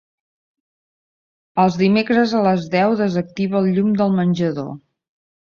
Els dimecres a les deu desactiva el llum del menjador.